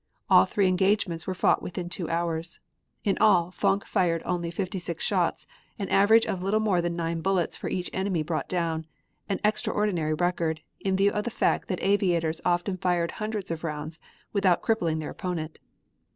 All three engagements were fought within two hours. In all, Fonck fired only fifty six shots, an average of little more than nine bullets for each enemy brought down an extraordinary record, in view of the fact that aviators often fired hundreds of rounds without crippling their opponent.